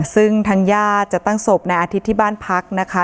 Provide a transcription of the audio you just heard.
ซึ่งทางญาติจะตั้งศพนายอาทิตย์ที่บ้านพักนะคะ